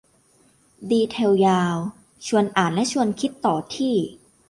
ดีเทลยาว ชวนอ่านและชวนคิดต่อที่